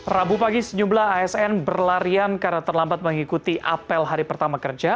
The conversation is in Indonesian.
rabu pagi sejumlah asn berlarian karena terlambat mengikuti apel hari pertama kerja